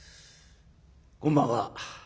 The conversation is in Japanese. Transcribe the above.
「こんばんは。